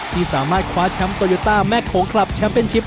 ที่สามารถคว้าแชมป์โตโยต้าแม่โขงคลับแชมป์เป็นชิป